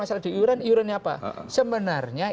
masalah di iuran iurannya apa sebenarnya